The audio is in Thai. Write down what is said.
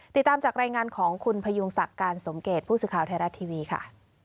ติดตามจากรายงานของคุณพยุงศักดิ์การสมเกตผู้สื่อข่าวไทยรัฐทีวีค่ะ